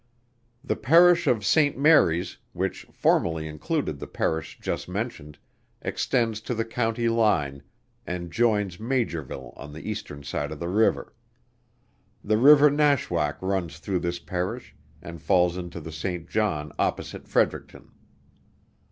The Parish of St. Mary's, which formerly included the Parish just mentioned, extends to the County line, and joins Maugerville on the eastern side of the river. The river Nashwaack runs through this Parish, and falls into the St. John opposite Fredericton.